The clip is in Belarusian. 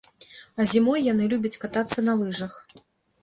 А зімой яны любяць катацца на лыжах.